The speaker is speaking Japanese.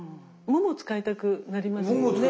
もも使いたくなります。